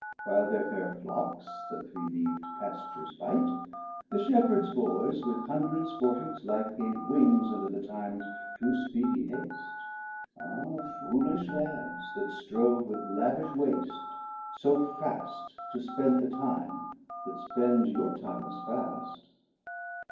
While their faire flockes the three leaVd paftures bite, The fhepheards boyes with hundred fportings light. Gave winges unto the times too fpeedy haft : Ah, foolifh Lads ! that ftrove with lavifti waft So faft to fpend the time that fpends your time as faft.